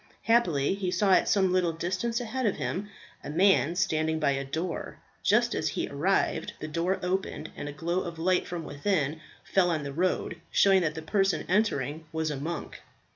Happily he saw at some little distance ahead of him a man standing by a door. Just as he arrived the door opened, and a glow of light from within fell on the road, showing that the person entering was a monk.